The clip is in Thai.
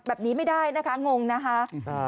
แบบนี้ไม่ได้นะคะงงนะคะ